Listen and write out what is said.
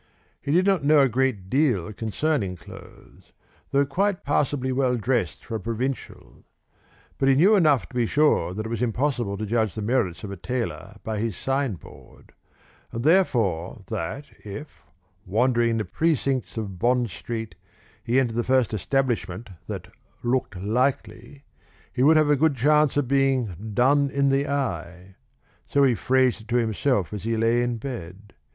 He did not know a great deal concerning clothes, though quite passably well dressed for a provincial, but he knew enough to be sure that it was impossible to judge the merits of a tailor by his sign board, and therefore that if, wandering in the precincts of Bond Street, he entered the first establishment that "looked likely," he would have a good chance of being "done in the eye." So he phrased it to himself as he lay in bed.